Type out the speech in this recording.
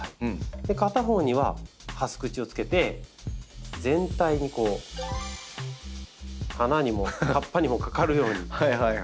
片方にはハス口をつけて全体にこう花にも葉っぱにもかかるように。